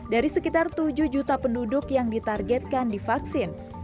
dari sekitar tujuh juta penduduk yang ditargetkan divaksin